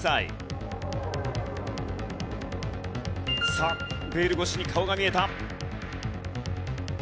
さあベール越しに顔が見えた。